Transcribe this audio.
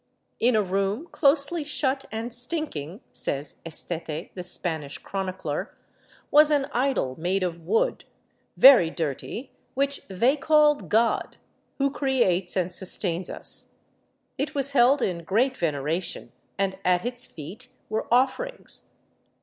" In a room closely shut and stinking," says Estete, the Spanish chronicler, " was an idol made of wood, very dirty, which they called god, who creates and sustains us. It was held in great veneration and at its feet were offerings."